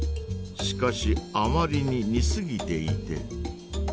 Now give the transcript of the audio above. しかしあまりに似すぎていて。